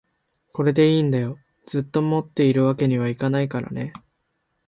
これでいいんだよ、ずっと持っているわけにはいけないからね